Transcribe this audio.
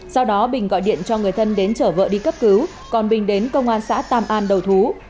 sau đó bình gọi điện cho người thân đến chở vợ đi cấp cứu còn bình đến công an xã tam an đầu thú